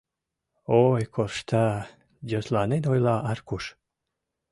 — Ой, коршта... — йӧсланен ойла Аркуш.